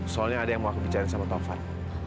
soalnya ada yang mau aku bicara sama taufan